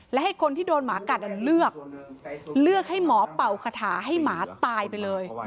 และให้คนที่โดนหมากัดเลือกเลือกให้หมอเป่าคาถาให้หมาตายไปเลย